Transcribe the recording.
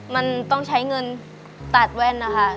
มันต้องใช้เงินตัดแว่นนะคะ